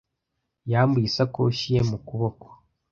Yambuye isakoshi ye mu kuboko.